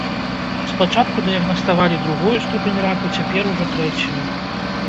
Спачатку дыягнаставалі другую ступень раку, цяпер ужо трэцюю.